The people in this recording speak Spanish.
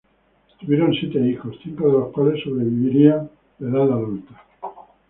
Tuvieron siete hijos, cinco de los cuales sobrevivirían la edad adulta.